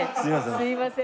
すいません。